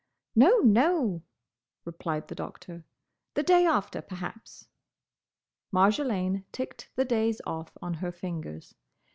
"No, no!" replied the Doctor. "The day after, perhaps." Marjolaine ticked the days off on her fingers.